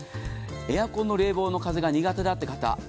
エアコンの冷房の風が苦手だという方